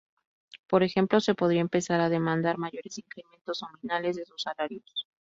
Por ejemplo, se podría empezar a demandar mayores incrementos nominales de sus salarios.